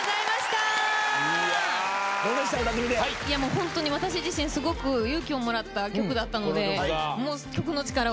ホントに私自身すごく勇気をもらった曲だったので。